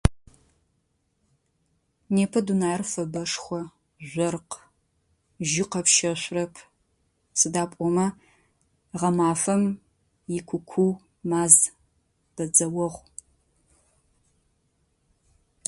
Непэ дунаер фэбэшхо , жъоркъ, жьы къэпщэшъурэп, сыда пӏомэ, гъэмафэм икукуу маз, бэдзэогъу.